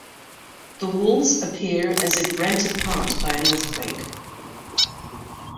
The walls appear as if rent apart by an earthquake.